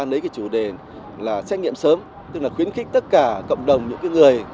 lấy cái chủ đề là xét nghiệm sớm tức là khuyến khích tất cả cộng đồng những người